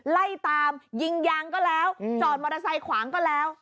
ไล่ตามยิงยางก็แล้วจอดมอเตอร์ไซค์ขวางก็แล้ว